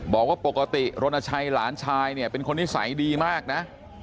บอกว่าปกติรณชัยหลานชายเนี่ยเป็นคนนิสัยดีมากนะ